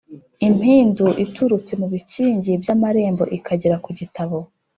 ' impindu iturutse mu bikingi by' amarembo ikagera ku gitabo;